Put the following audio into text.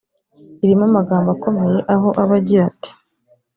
Irimo amagambo akomeye aho aba agira ati